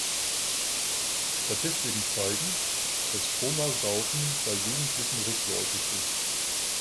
Statistiken zeigen, dass Komasaufen bei Jugendlichen rückläufig ist.